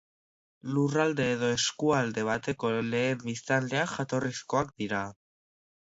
Lurralde edo eskualde bateko lehen biztanleak, jatorrizkoak dira.